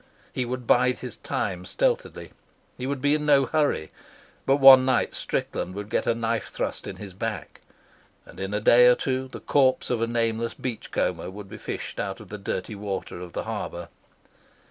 He would bide his time stealthily. He would be in no hurry, but one night Strickland would get a knife thrust in his back, and in a day or two the corpse of a nameless beach comber would be fished out of the dirty water of the harbour.